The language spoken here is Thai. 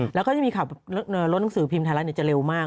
แล้วก็จะมีข่าวรถหนังสือพิมพ์ไทยรัฐจะเร็วมาก